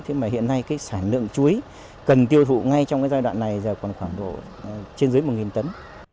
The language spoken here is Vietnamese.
thế mà hiện nay cái sản lượng chuối cần tiêu thụ ngay trong cái giai đoạn này giờ còn khoảng độ trên dưới một tấn